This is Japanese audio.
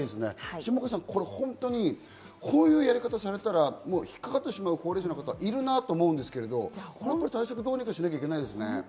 下川さん、こういうやり方をされたら、引っかかってしまう高齢者の方がいるなと思うんですけれど、対策、どうにかしなきゃいけないですね。